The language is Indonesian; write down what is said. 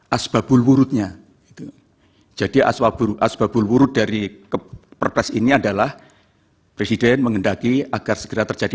asbabulwurutnya jadi asbabulwurut dari keperkes ini adalah presiden mengendaki agar segera terjadi